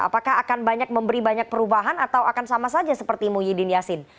apakah akan banyak memberi banyak perubahan atau akan sama saja seperti muhyiddin yassin